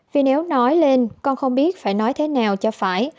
vì nếu nói lên con không biết phải nói thế nào cho phải